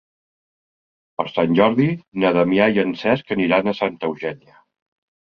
Per Sant Jordi na Damià i en Cesc aniran a Santa Eugènia.